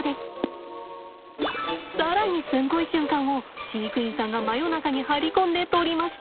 更にすんごい瞬間を飼育員さんが真夜中に張り込んで撮りました。